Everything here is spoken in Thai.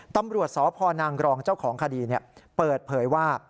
ตำรวจสพนางรองเจ้าของคดีเปิดเผยว่า